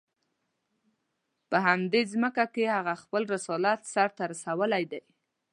په همدې ځمکه کې هغه خپل رسالت سر ته رسولی دی.